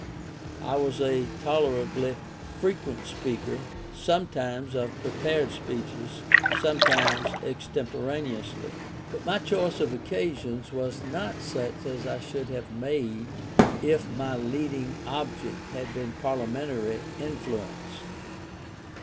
I was a tolerably frequent speaker, sometimes of prepared speeches, sometimes extemporaneously. But my choice of occasions was not such as I should have made if my leading object had been Parliamentary influence.